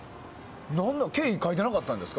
経緯、書いてなかったんですか。